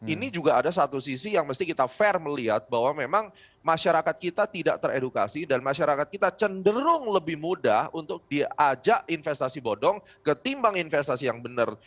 ini juga ada satu sisi yang mesti kita fair melihat bahwa memang masyarakat kita tidak teredukasi dan masyarakat kita cenderung lebih mudah untuk diajak investasi bodong ketimbang investasi yang benar